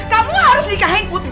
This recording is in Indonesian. kamu harus nikahin putri